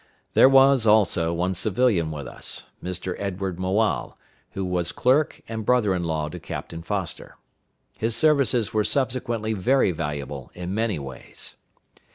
There was, also, one civilian with us, Mr. Edward Moale, who was clerk and brother in law to Captain Foster. His services were subsequently very valuable in many ways.